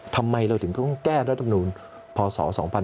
ทำไมเราถึงต้องแก้รัฐมนูลพศ๒๕๖๒